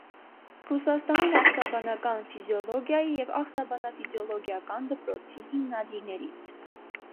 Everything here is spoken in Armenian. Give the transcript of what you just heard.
Ռուսաստանում ախտաբանական ֆիզիոլոգիայի և ախտաբանաֆիզիոլոգիական դպրոցի հիմնադիրներից։